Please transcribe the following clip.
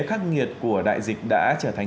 khắc nghiệt của đại dịch đã trở thành